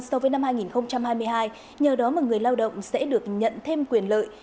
sau năm hai nghìn hai mươi hai nhờ đó người lao động sẽ được nhận thêm quyền lợi